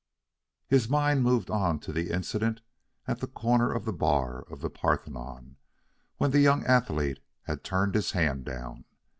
His mind moved on to the incident at the corner of the bar of the Parthenon, when the young athlete had turned his hand down.